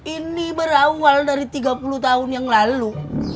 ini berawal dari tiga puluh tahun yang lalu